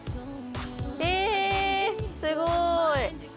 えすごい。